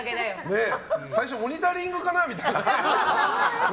最初「モニタリング」かな？みたいなね。